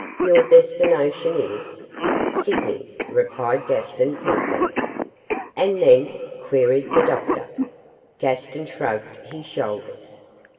'Your destination is ' 'Sydney,' replied Gaston, promptly. 'And then?' queried the doctor. Gaston shrugged his shoulders.